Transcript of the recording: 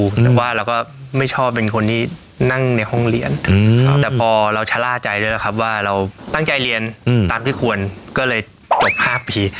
แต่ว่าเราก็ไม่ชอบเป็นคนที่นั่งในห้องเรียนแต่พอเราชะล่าใจด้วยนะครับว่าเราตั้งใจเรียนตามที่ควรก็เลยจบ๕ปี